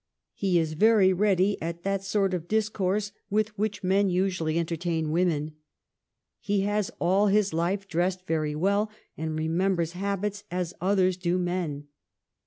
He is very ready at that sort of discourse with which men usually entertain women. He has all his life dressed very well, and remembers habits as others do men.